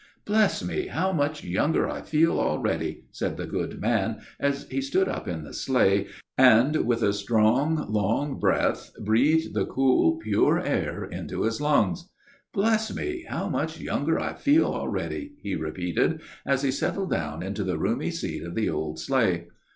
"Bless me! how much younger I feel already!" said the good man as he stood up in the sleigh, and with a long, strong breath breathed the cool, pure air into his lungs. "Bless me! how much younger I feel already!" he repeated, as he settled down into the roomy seat of the old sleigh.